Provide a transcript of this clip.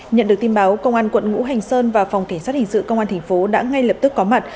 nhận được tin báo công an quận ngũ hành sơn và phòng kẻ sát hình sự công an tp đã ngay lập tức có mặt